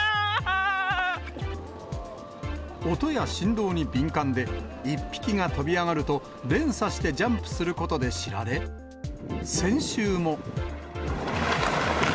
音や振動に敏感で、１匹が飛び上がると、連鎖してジャンプすることで知られ、先週も。